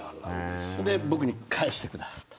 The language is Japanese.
で、僕に返してくださった。